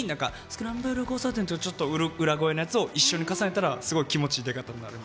「スクランブル交差点」ってちょっと裏声のやつを一緒に重ねたらすごい気持ちいい出方になるみたいな。